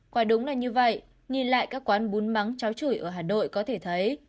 quả đúng là như vậy nhìn lại các quán bún mắm cháo chửi ở hà nội có thể thấy